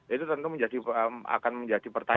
itu tentu akan menjadi pertanyaan